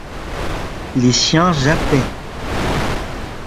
Les chiens jappaient.